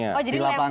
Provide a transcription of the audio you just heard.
oh jadi lempar ya